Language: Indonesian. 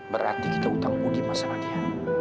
berarti kita utang mudi sama dia